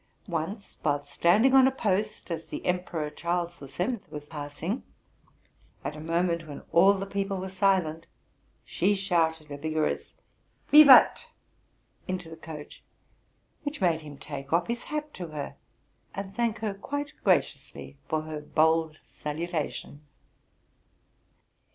Once, while standing on a post as the Emperor Charles VII. was passing, at a moment when all the people were silent, she shouted a vigorous '* Vivat!"' into the coach, which made him take off his hat to her, and thank her quite graciously for her bold salutation.